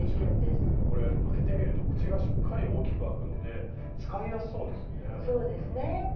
これ開けてみると口がしっかり大きく開くので使いやすそうですよね。